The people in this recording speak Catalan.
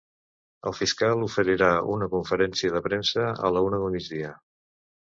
El fiscal oferirà una conferència de premsa a la una del migdia.